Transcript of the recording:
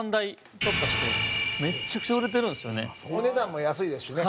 土田：お値段も安いですしね。